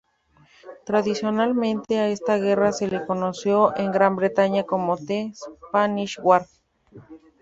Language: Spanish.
Tradicionalmente a esta guerra se le conoció en Gran Bretaña como "The Spanish War".